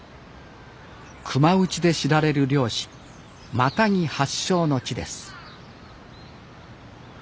熊撃ちで知られる猟師「マタギ」発祥の地です